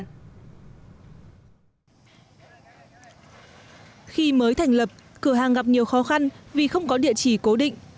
khi mới thành lập cửa hàng gặp nhiều khó khăn vì không có địa chỉ cố định